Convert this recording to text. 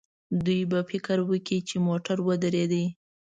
دوی به فکر وکړي چې موټر ودرېد.